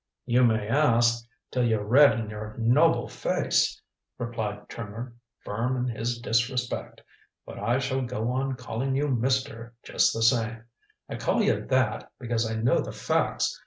"You may ask till you're red in your noble face," replied Trimmer, firm in his disrespect. "But I shall go on calling you 'Mister' just the same. I call you that because I know the facts.